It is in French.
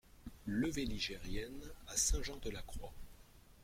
Levée Ligerienne à Saint-Jean-de-la-Croix